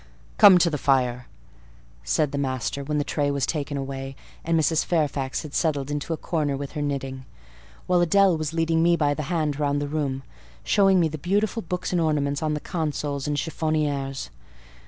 "Come to the fire," said the master, when the tray was taken away, and Mrs. Fairfax had settled into a corner with her knitting; while Adèle was leading me by the hand round the room, showing me the beautiful books and ornaments on the consoles and chiffonnières.